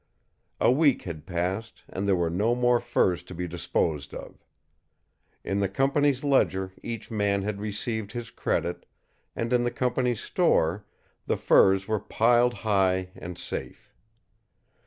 A week had passed, and there were no more furs to be disposed of. In the company's ledger each man had received his credit, and in the company's store the furs were piled high and safe.